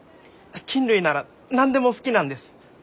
菌類なら何でも好きなんです！